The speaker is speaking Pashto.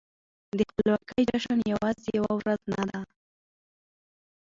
د خپلواکۍ جشن يوازې يوه ورځ نه ده.